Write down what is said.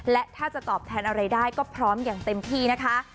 และถ้าจะตอบแทนอะไรได้ก็พร้อมอย่างเต็มที่นะคะ